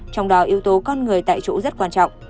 trong đó yếu tố con người tại chỗ rất quan trọng